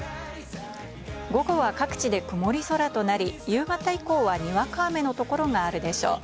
午後は各地で曇り空となり、夕方以降はにわか雨の所があるでしょう。